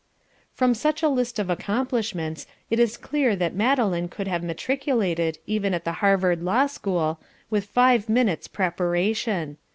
From such a list of accomplishments it is clear that Madeline could have matriculated, even at the Harvard Law School, with five minutes preparation.